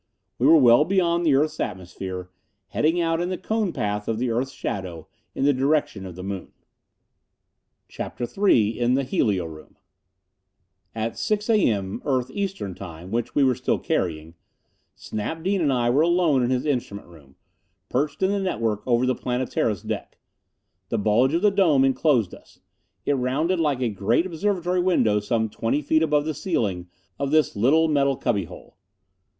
We were well beyond the earth's atmosphere, heading out in the cone path of the earth's shadow, in the direction of the moon. CHAPTER III In the Helio room At six A. M., earth Eastern time, which we were still carrying, Snap Dean and I were alone in his instrument room, perched in the network over the Planetara's deck. The bulge of the dome enclosed us; it rounded like a great observatory window some twenty feet above the ceiling of this little metal cubby hole.